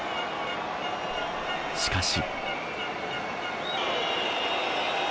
しかし。